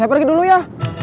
saya pergi dulu ya